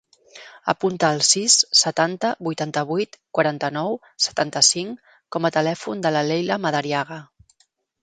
Apunta el sis, setanta, vuitanta-vuit, quaranta-nou, setanta-cinc com a telèfon de la Leila Madariaga.